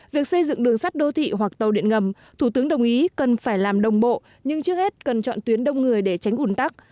việc xây dựng đường sắt đô thị hoặc tàu điện ngầm thủ tướng đồng ý cần phải làm đồng bộ nhưng trước hết cần chọn tuyến đông người để tránh ủn tắc